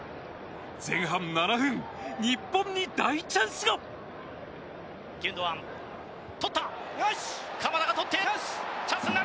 前半７分日本に大チャンスが。